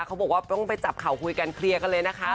เขาบอกว่าต้องไปจับเข่าคุยกันเคลียร์กันเลยนะคะ